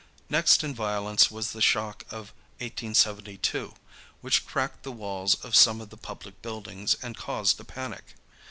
Next in violence was the shock of 1872, which cracked the walls of some of the public buildings and caused a panic.